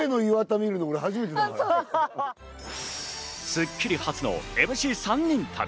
『スッキリ』初のＭＣ３人旅。